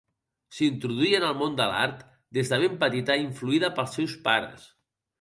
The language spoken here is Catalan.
S’introduí en el món de l’art des de ben petita influïda pels seus pares.